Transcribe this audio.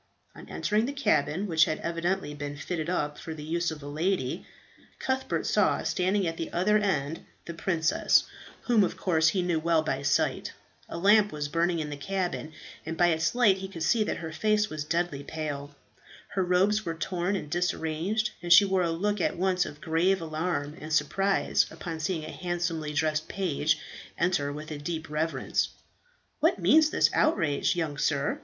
On entering the cabin, which had evidently been fitted up for the use of a lady, Cuthbert saw standing at the other end the princess whom of course he knew well by sight. A lamp was burning in the cabin, and by its light he could see that her face was deadly pale. Her robes were torn and disarranged, and she wore a look at once of grave alarm and surprise upon seeing a handsomely dressed page enter with a deep reverence. "What means this outrage, young sir?